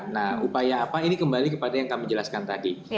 nah upaya apa ini kembali kepada yang kami jelaskan tadi